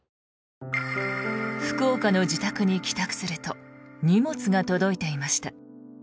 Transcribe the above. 福岡の自宅に帰宅すると荷物が届いていました。